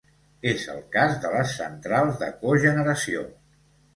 És el cas de les centrals de cogeneració.